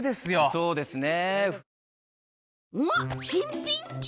そうですね。